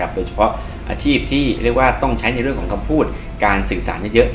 โดยเฉพาะอาชีพที่เรียกว่าต้องใช้ในเรื่องของคำพูดการสื่อสารเยอะ